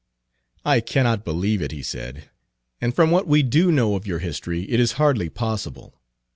"I cannot believe it," he said, "and from what we do know of your history it is hardly possible.